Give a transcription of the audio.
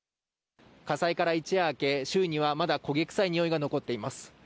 火災から一夜明け、周囲にはまだ焦げ臭いにおいが残っています。